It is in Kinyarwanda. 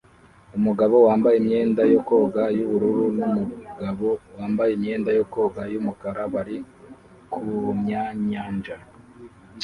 Umugabo wambaye imyenda yo koga yubururu numugabo wambaye imyenda yo koga yumukara bari kumyanyanja